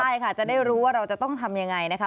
ใช่ค่ะจะได้รู้ว่าเราจะต้องทำยังไงนะคะ